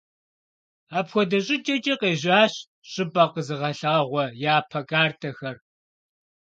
Апхуэдэ щӀыкӀэкӀэ къежьащ щӀыпӀэ къэзыгъэлъагъуэ япэ картэхэр.